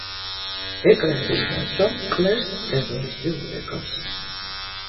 ეკრანზე ჩანს რომ კლერს ტერორისტი ურეკავს.